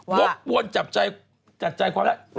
พบวนจัดกระจายความรัก